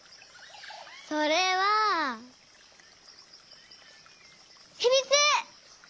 それはひみつ！